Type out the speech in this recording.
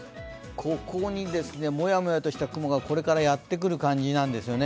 ここにもやもやとした雲がこれからやってくる感じなんですよね。